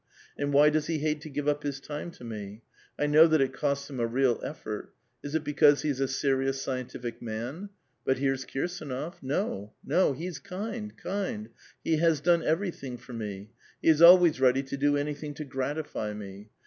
And why does he hate to give up his time to we? I know that it costs him a real effort ! Is it because be is a serious, scientific man ? But here's Kirs^nof . No ! do! he's kind, kind I he has done everything for me, he is always ready to do anything to gratify me.